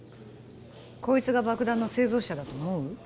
こいつが爆弾の製造者だと思う？